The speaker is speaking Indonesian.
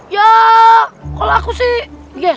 ya kalau aku sih yes ya